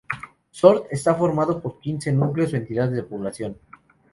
Sort está formado por quince núcleos o entidades de población.